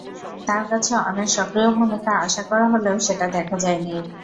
তাঁর কাছে অনেক সক্রিয় ভূমিকা আশা করা হলেও সেটা দেখা যায়নি।